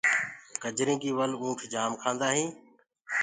گجرينٚ ڪي ول اُنٺ جآم کآندآ هينٚ۔